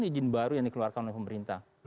ini adalah izin baru yang dikeluarkan oleh pemerintah